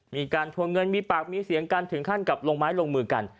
มีการทวงเงินมีปากมีเสียงกันถึงขั้นกับลงไม้ลงมือกัน